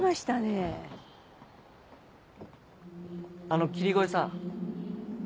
あの霧声さん。